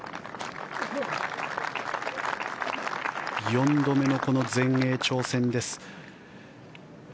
４度目の全英挑戦です。